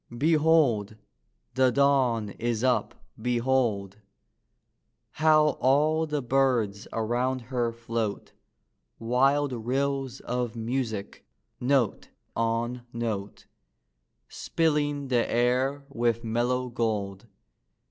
Behold! the Dawn is up: behold! How all the birds around her float, Wild rills of music, note on note, Spilling the air with mellow gold.